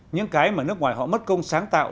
những cái mà nước ngoài họ mất công sáng tạo